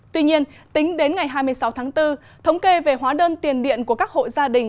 tuy nhiên tính đến ngày hai mươi sáu tháng bốn thống kê về hóa đơn tiền điện của các hộ gia đình